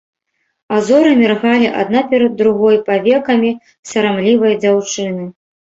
А зоры міргалі адна перад другой павекамі сарамлівай дзяўчыны.